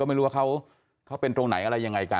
ไม่รู้ว่าเขาเป็นตรงไหนอะไรยังไงกัน